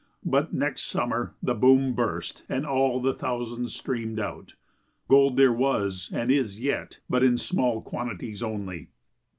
But next summer the boom burst and all the thousands streamed out. Gold there was and is yet, but in small quantities only.